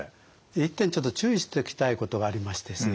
一点ちょっと注意しておきたいことがありましてですね